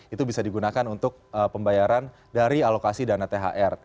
itu bisa digunakan untuk pembayaran dari alokasi dana thr